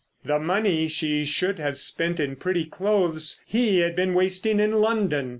The money she should have spent in pretty clothes he had been wasting in London!